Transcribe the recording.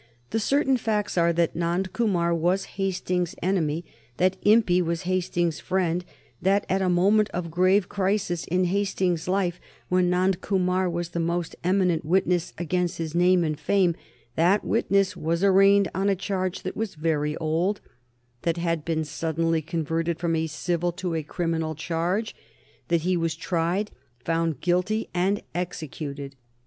The certain facts are that Nand Kumar was Hastings's enemy, that Impey was Hastings's friend; that at a moment of grave crisis in Hastings's life, when Nand Kumar was the most eminent witness against his name and fame, that witness, was arraigned on a charge that was very old, that had been suddenly converted from a civil to a criminal charge; that he was tried, found guilty, and executed.